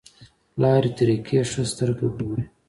لارې طریقې ښه سترګه ګوري.